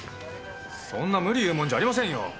そんな無理言うもんじゃありませんよ。